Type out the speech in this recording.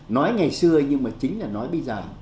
nói ngày xưa nhưng mà chính là nói bây giờ